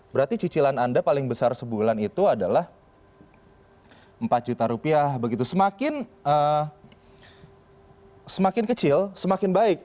berarti cicilan anda paling besar sebulan itu adalah empat juta rupiah begitu semakin kecil semakin baik